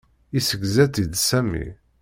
Yessegza-tt-id Sami.